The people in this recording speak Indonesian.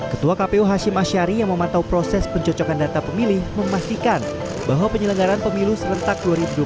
ketua kpu hashim ashari yang memantau proses pencocokan data pemilih memastikan bahwa penyelenggaran pemilu serentak dua ribu dua puluh